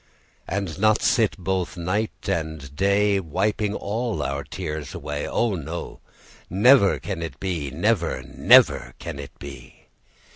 And not sit both night and day, Wiping all our tears away? O no! never can it be! Never, never can it be!